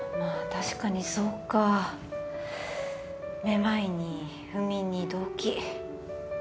確かにそうかめまいに不眠に動悸